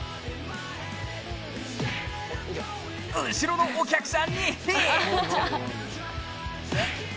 後ろのお客さんにヒット。